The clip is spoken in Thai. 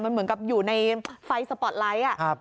มันเหมือนกับอยู่ในไฟสปอร์ตไลท์